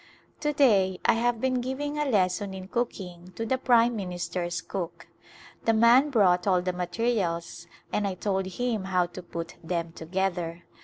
To day I have been giving a lesson in cooking to the prime minister's cook. The man brought all the materials and I told him how to put them together.